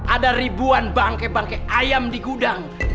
ada ribuan bangkai bangkai ayam di gudang